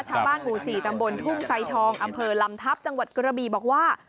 ชาวบ้านหมู่๔ตำบลทุ่งไซทองอำเภอลำทัพจังหวัดกระบีบอกว่า